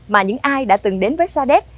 mà những ai đã từng đến với sa đét